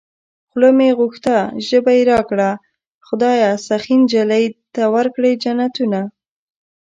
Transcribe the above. خوله مې غوښته ژبه يې راکړه خدايه سخي نجلۍ ته ورکړې جنتونه